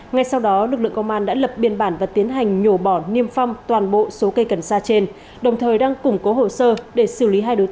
ngay sau đó lực lượng công an đã lập biên bản và tiến hành nhổ bỏ niêm phong toàn bộ số cây cần xa trên đồng thời đang củng cố hồ sơ để xử lý hai đối tượng theo quy định của pháp luật